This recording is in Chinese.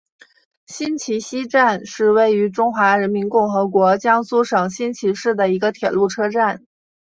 新沂西站是位于中华人民共和国江苏省新沂市的一个铁路车站。